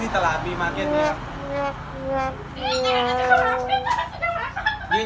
คิดว่าใช่ข้างนี้อยู่ไหน